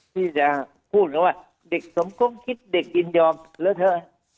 ที่จะพูดกันว่าเด็กสมคมคิดเด็กยินยอมแล้วเถอะ